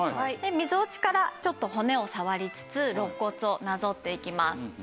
みぞおちからちょっと骨を触りつつろっ骨をなぞっていきます。